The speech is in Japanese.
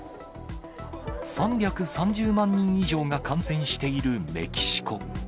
３３０万人以上が感染しているメキシコ。